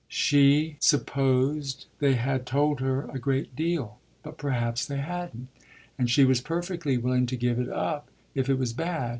She supposed they had told her a great deal, but perhaps they hadn't, and she was perfectly willing to give it up if it was bad.